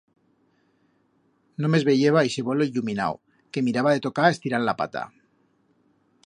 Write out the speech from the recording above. Només veyeba ixe bolo illuminau, que miraba de tocar estirand la pata.